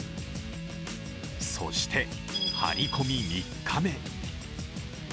そして張り込み３日目。